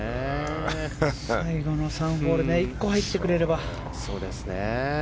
最後の３ホールで１個入ってくれれば。